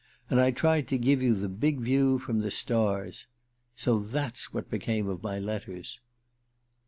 And I tried to give you the big view from the stars... So that's what became of my letters."